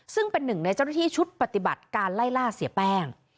ซึ่งเป็นหนึ่งในเจ้าหน้าที่ชุดปฏิบัติการไล่ล่าเสียแป้ง